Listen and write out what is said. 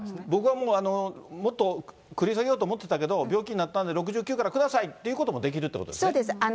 僕はもう、もっと繰り下げようと思ってたけど、病気になったんで６９からくださいということもできるということそうです。